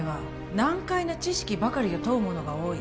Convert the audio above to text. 難解な知識ばかりを問うものが多い